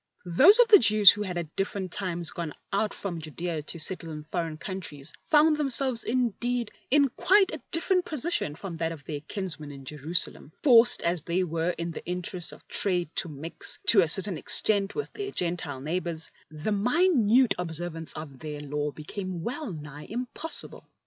Those of the Jews who had at different times gone out from Judea to settle in foreign countries found themselves indeed in quite a different position from that of their kinsmen in Jerusalem. Forced as they were in the 47 48 LIFE OF ST. PAUL interests of trade to mix to a certain extent with their Gentile neighbours, the minute observance of their Law became wellnigh impossible.